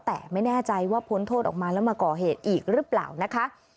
แต่ไม่แน่ใจว่าพ้นโทษออกมาแล้วมาก่อเหตุอีกหรือเปล่านะคะ